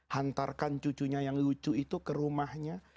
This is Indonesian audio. hantarkan cucunya yang lucu itu ke rumahnya